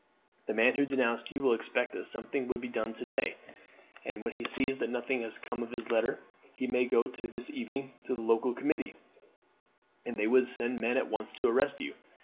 The man who denounced you will expect that something would be done to day, and when he sees that nothing has come of his letter he may go this evening to the local committee, and they would send men at once to arrest you.